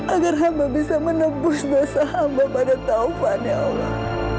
agar hamba bisa menembus dosa hamba pada taufan ya allah